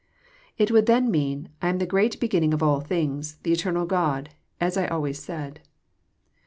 It would then mean, <' I am the great beginning of all things, the eternal God, as I always said."